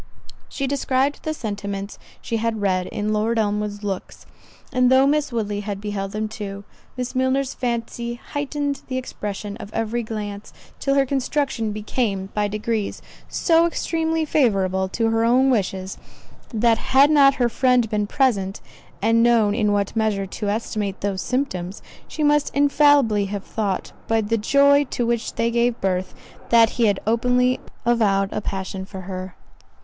She described the sentiments she had read in Lord Elmwood's looks; and though Miss Woodley had beheld them too, Miss Milner's fancy heightened the expression of every glance, till her construction became, by degrees, so extremely favourable to her own wishes, that had not her friend been present, and known in what measure to estimate those symptoms, she must infallibly have thought, by the joy to which they gave birth, that he had openly avowed a passion for her.